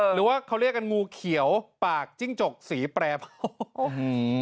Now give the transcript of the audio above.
หรือว่าเขาเรียกกันงูเขียวปากจิ้งจกสีแปรผัน